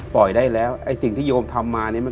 ปล่อยได้แล้วไอ้สิ่งที่โยมทำมาเนี่ย